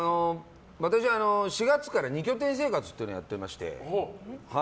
私、４月から２拠点生活というのをやってまして。